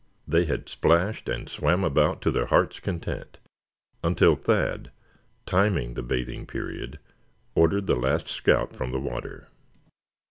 They had splashed, and swam about to their hearts' content, until Thad timing the bathing period, ordered the last scout from the water.